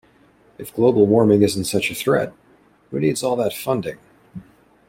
If global warming isn't such a threat, who needs all that funding?